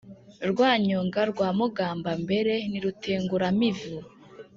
Rwanyonga rwa Mugambambere ni Rutenguramivu